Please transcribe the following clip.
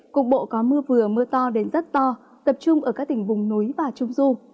cục bộ có mưa vừa mưa to đến rất to tập trung ở các tỉnh vùng núi và trung du